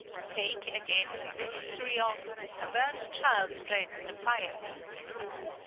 Take, again, the history of " A burnt child dreads the fire."